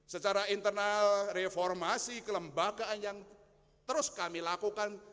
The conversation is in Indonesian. secara internal reformasi kelembagaan yang terus kami lakukan